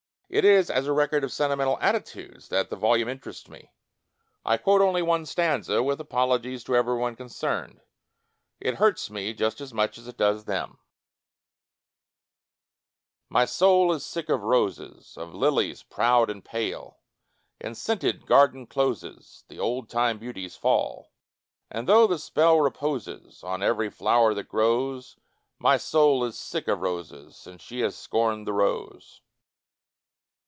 It is as a record of sentimental attitudes that the volume interests me. I quote only one stanza, with apologies to everybody concerned — it hurts me just as much as it does them: My Boul is sick of roses. Of lilies proud and pale — In scented garden closes ^ The old time beauties faU. And though the spell reposes On every flower that grows, My soul is sick of roses Since she has scorned the rose.